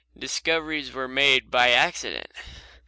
Discoveries were made by accident.